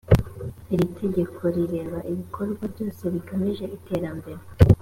iri tegeko rireba ibikorwa byose bigamije iterambere